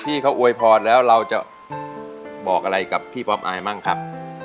ที่เขาอวยพรแล้วเราจะบอกอะไรกับพี่ป๊อปอายมั่งครับ